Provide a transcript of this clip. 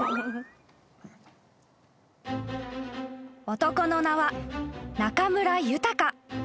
［男の名は中村豊］